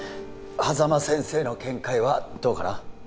波佐間先生の見解はどうかな？